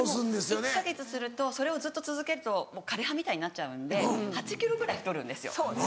１か月するとそれをずっと続けると枯れ葉みたいになっちゃうんで８ｋｇぐらい太るんですよ。